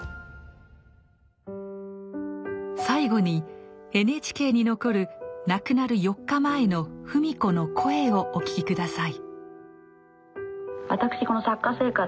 最後にＮＨＫに残る亡くなる４日前の芙美子の声をお聴き下さい。